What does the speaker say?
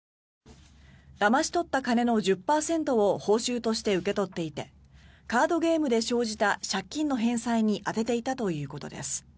だまし取った金の１０％を報酬として受け取っていてカードゲームで生じた借金の返済に充てていたということです。